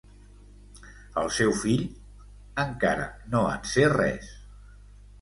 El seu fill... encara no en sé res.